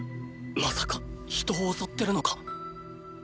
まさか人を襲ってるのか？